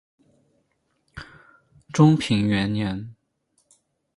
中平元年。